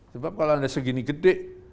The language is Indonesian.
sebab kalau anda segini gede